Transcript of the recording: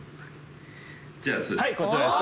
はいこちらです。